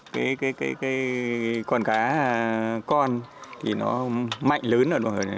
cái con cá con thì nó mạnh lớn rồi